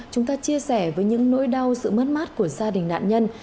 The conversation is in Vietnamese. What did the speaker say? chúng ta chia sẻ với những nỗi đau sự mất mát của gia đình nạn nhân